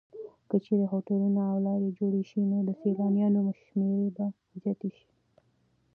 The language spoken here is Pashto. که چېرې هوټلونه او لارې جوړې شي نو د سېلانیانو شمېر به زیات شي.